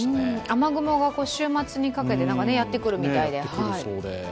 雨雲が週末にかけてやってくるみたいで。